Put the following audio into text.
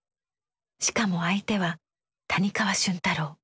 しかも相手は谷川俊太郎。